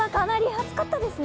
暑かったです。